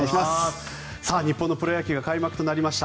日本のプロ野球が開幕となりました。